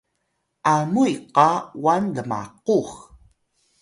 Amuy qa wan lmaqux